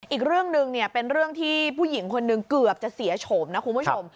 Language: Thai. อีกเรื่องหนึ่งเนี่ยเป็นเรื่องที่ผู้หญิงคนหนึ่งเกือบจะเสียโฉมนะคุณผู้ชม